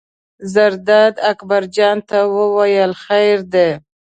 زرداد اکبر جان ته وایي: خیر دی.